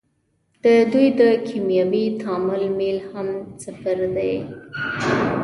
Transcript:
د دوی د کیمیاوي تعامل میل هم صفر دی.